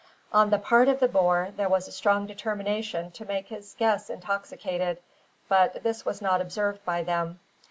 On the part of the boer there was a strong determination to make his guests intoxicated; but this was not observed by them.